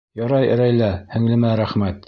Ярай, Рәйлә һеңлемә рәхмәт.